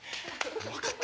よかった。